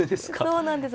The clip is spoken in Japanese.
そうなんです。